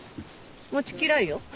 持ちきらんよ。